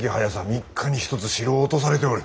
３日に一つ城を落とされておる。